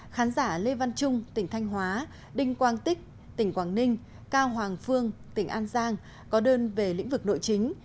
khán giả lê văn trung tỉnh thanh hóa đinh quang tích tỉnh quảng ninh cao hoàng phương tỉnh an giang có đơn về lĩnh vực nội chính